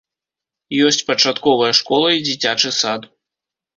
Ёсць пачатковая школа і дзіцячы сад.